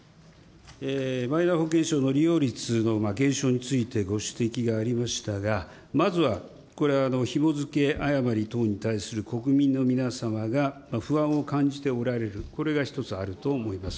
マイナ保険証の利用率の減少についてご指摘がありましたが、まずは、これは、ひも付け誤り等に対する国民の皆様が不安を感じておられる、これが一つあると思います。